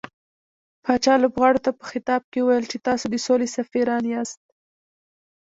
پاچا لوبغاړو ته په خطاب کې وويل چې تاسو د سولې سفيران ياست .